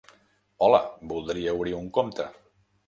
Hola, voldria obrir un compte.